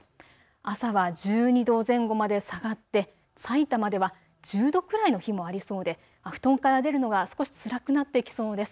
朝は１２度前後まで下がってさいたまでは１０度くらいの日もありそうで布団から出るのが少しつらくなってきそうです。